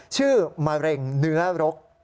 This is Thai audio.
มะเร็งเนื้อรก